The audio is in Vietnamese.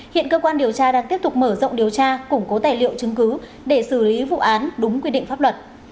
hiện cơ quan điều tra đang tiếp tục mở rộng điều tra củng cố tài liệu chứng cứ để xử lý vụ án đúng quy định pháp luật